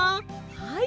はい。